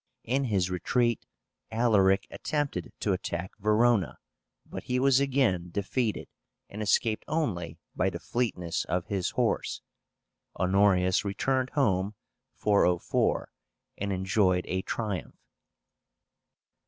In his retreat, Alaric attempted to attack Verona, but he was again defeated, and escaped only by the fleetness of his horse. Honorius returned home (404), and enjoyed a triumph.